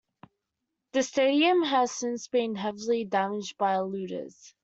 The stadium has since been heavily damaged by looters.